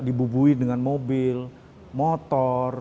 dibubuhi dengan mobil motor